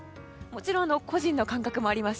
個人の感覚もあります